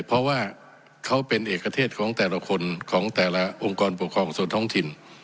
เพราะว่าเขาเป็นเอกเทศของแต่ละคนของแต่ละองค์กรปกครองส่วนท้องถิ่น